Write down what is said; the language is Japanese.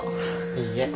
いいえ。